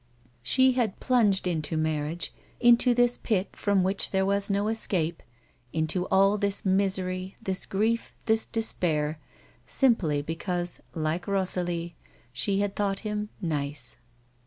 She had plunged into marriage, into this pit from which there was no escape, into all this misery, this grief, this despair, simply because, like Rosalie, she had thought him " nice."